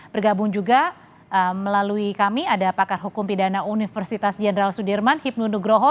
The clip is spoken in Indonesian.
bergabung juga melalui kami ada pakar hukum pidana universitas jenderal sudirman hipnu nugroho